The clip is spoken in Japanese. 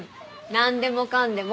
なんでもかんでも！